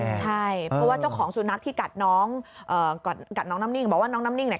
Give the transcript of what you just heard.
ใช่เพราะว่าเจ้าของสุนัขที่กัดน้องกัดน้องน้ำนิ่งบอกว่าน้องน้ำนิ่งเนี่ย